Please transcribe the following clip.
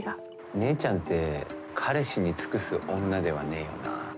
姉ちゃんって彼氏に尽くす女ではねえよな。